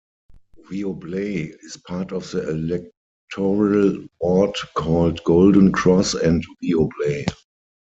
Weobley is part of the electoral ward called Golden Cross and Weobley.